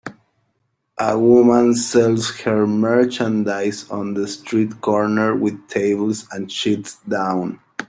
A woman sells her merchandise on the street corner with tables and sheets down